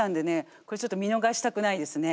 これちょっと見逃したくないですね。